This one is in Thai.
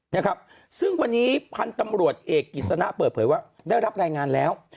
นะครับซึ่งวันนี้พันธุ์ตำรวจเอกกิจสนะเปิดเผยว่าได้รับรายงานแล้ว